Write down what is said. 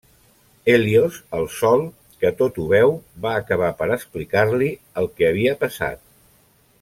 Hèlios, el sol, que tot ho veu, va acabar per explicar-li el que havia passat.